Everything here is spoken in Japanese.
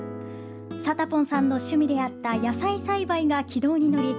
サタポンさんの趣味であった野菜栽培が軌道に乗り